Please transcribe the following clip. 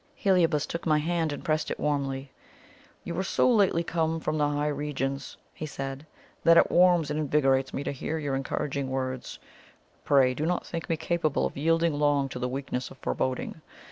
Heliobas took my hand and pressed it warmly. "You are so lately come from the high regions," he said, "that it warms and invigorates me to hear your encouraging words. Pray do not think me capable of yielding long to the weakness of foreboding.